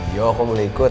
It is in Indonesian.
yo kok boleh ikut